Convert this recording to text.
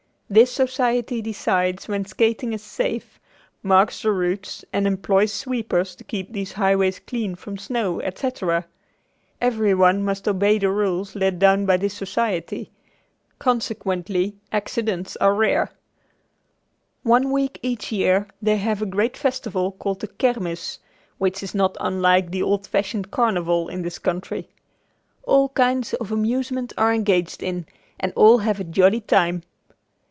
This society decides when skating is safe, marks the routes and employs sweepers to keep these highways clear from snow, etc. Everyone must obey the rules laid down by this society, consequently accidents are rare. One week each year they have a great festival called the "Kermis," which is not unlike the old fashioned carnival in this country. All kinds of amusements are engaged in and all have a jolly time.